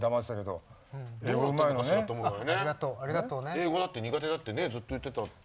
英語だって苦手だってずっと言ってたって。